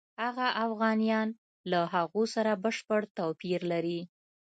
هغه اوغانیان له هغو سره بشپړ توپیر لري.